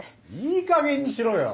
いいかげんにしろよ！